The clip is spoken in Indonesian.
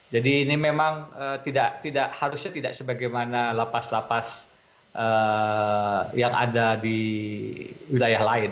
jadi ini memang harusnya tidak sebagaimana lapas lapas yang ada di wilayah lain